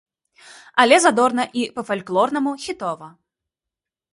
Але задорна і па-фальклорнаму хітова!